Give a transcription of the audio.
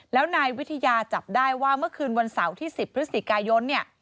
แล้วนายวิทยาจับได้ว่าเมื่อคืนวันเสาร์ที่๑๐พฤศจิกายนเนี่ย